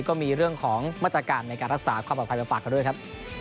ก็มีเรื่องของมาตรการในการรักษาความปลอดภัยมาฝากกันด้วยครับ